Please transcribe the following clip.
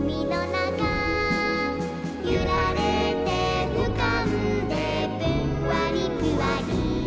「ゆられてうかんでぷんわりぷわり」